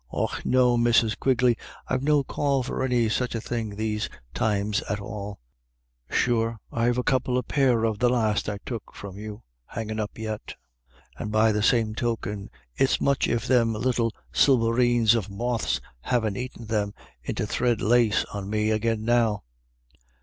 " Och no, Mrs. Quigley, I've no call for any such a thing these times at all Sure, IVe a couple of pair of the last I took from you hangin' up yet ;• and by the same token it's much if them little slieveens of moths haven't eat them into thread lace on me agin now."